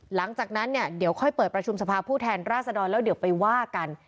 หลังจากนั้นเนี่ยเดี๋ยวค่อยเปิดประชุมสภาผู้แทนราษฎรแล้วเดี๋ยวไปว่ากัน